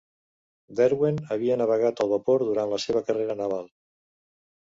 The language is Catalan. "Derwent" havia navegat al vapor durant la seva carrera naval.